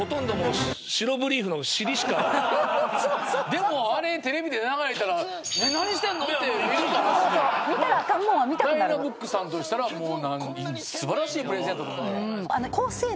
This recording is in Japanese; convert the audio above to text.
でもあれテレビで流れたら「何してんの？」って見るからｄｙｎａｂｏｏｋさんとしたらもう素晴らしいプレゼンやったと思うよ。